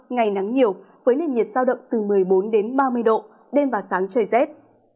ngày nắng nhiều với nền nhiệt sao động từ một mươi bốn đến ba mươi độ đêm và sáng trời rét